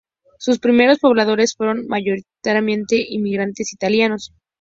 Sus primeros pobladores fueron mayoritariamente inmigrantes italianos.